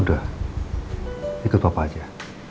udah ikut papa aja